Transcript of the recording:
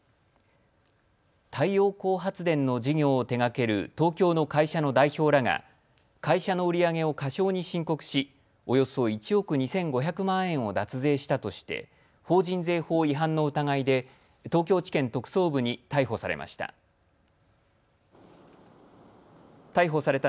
太陽光発電の事業を手がける東京の会社の代表らが会社の売り上げを過少に申告しおよそ１億２５００万円を脱税したとして法人税法違反の疑いで東京地検特捜部に逮捕されました。